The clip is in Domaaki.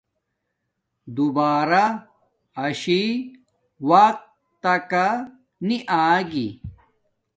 دوبارہ آشی وقت تکا نی آگی